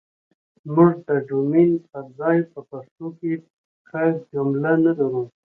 موږ ده ډومين پر ځاى په پښتو کې که جمله نه لرو